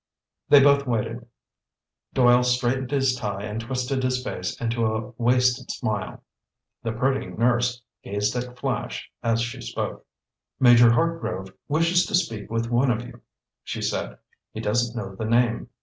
They both waited. Doyle straightened his tie and twisted his face into a wasted smile. The pretty nurse gazed at Flash as she spoke. "Major Hartgrove wishes to speak with one of you," she said. "He doesn't know the name.